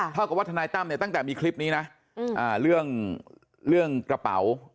เท่ากับว่าทนายตั้มเนี่ยตั้งแต่มีคลิปนี้นะเรื่องกระเป๋า